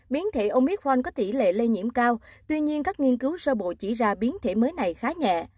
biến thể omit ron có tỷ lệ lây nhiễm cao tuy nhiên các nghiên cứu sơ bộ chỉ ra biến thể mới này khá nhẹ